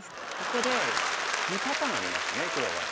ここで２パターンありますね黒は。